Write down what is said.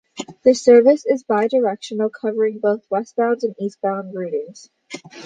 This service is bi-directional, covering both westbound and eastbound routings.